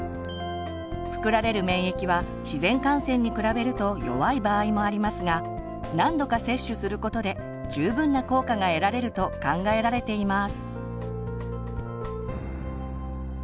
作られる免疫は自然感染に比べると弱い場合もありますが何度か接種することで十分な効果が得られると考えられています。